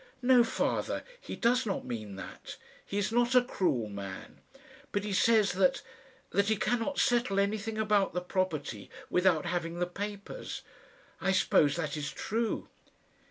"No, father; he does not mean that. He is not a cruel man. But he says that that he cannot settle anything about the property without having the papers. I suppose that is true."